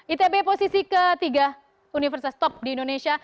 itb posisi ketiga universitas top di indonesia